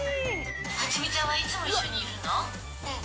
はつみちゃんはいつも一緒にうん。